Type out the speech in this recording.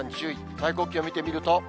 最高気温見てみると。